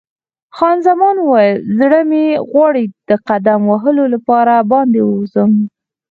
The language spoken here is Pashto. خان زمان وویل: زړه مې غواړي د قدم وهلو لپاره باندې ووځو.